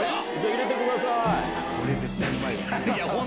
入れてください！